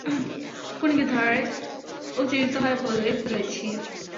খুনিকে ধরায় উত্তেজিত হয়ে বলে ফেলেছি।